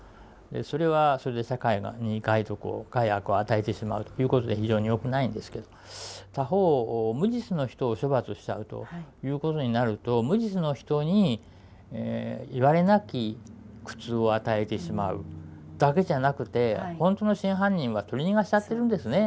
それはそれで社会に害毒を害悪を与えてしまうということで非常によくないんですけど他方無実の人を処罰しちゃうということになると無実の人にいわれなき苦痛を与えてしまうだけじゃなくて本当の真犯人は取り逃がしちゃってるんですね。